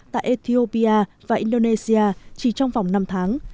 tại ethiopia và indonesia chỉ trong vòng năm tháng